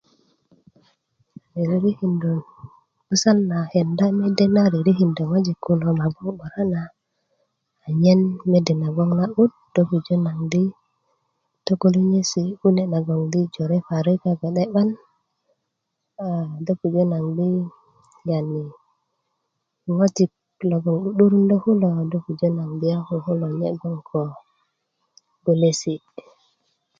ririkindö 'busan na kenda mede na ririkindö ŋwajik kilo yi gboŋ 'bakan na anyen mede na gboŋ na'but do pujö di togolonyon kune naŋ di jore parik a gbe'de 'ban aa do pujö naŋ di yani ŋwajik logoŋ 'du'durundö kulo do pujö naŋ di a koko koye nye' gnoŋ ko golesi'